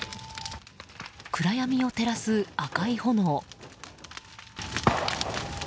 暗闇を照らす、赤い炎。